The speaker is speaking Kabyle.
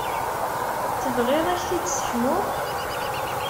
Tebɣiḍ ad k-t-id-sseḥmuɣ?